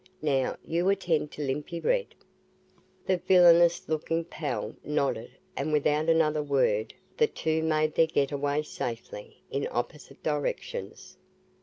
"Now, you attend to Limpy Red." The villainous looking pal nodded and without another word the two made their getaway, safely, in opposite directions.